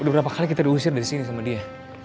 udah berapa kali kita diusir dari sini sama dia